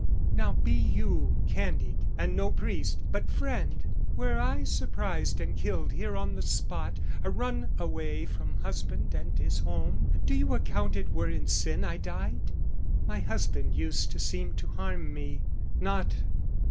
"Now, be you candid and no priest but friend "Were I surprised and killed here on the spot, "A runaway from husband and his home, "Do you account it were in sin I died? "My husband used to seem to harm me, not...